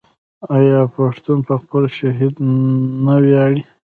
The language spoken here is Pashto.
آیا پښتون په خپل شهید نه ویاړي؟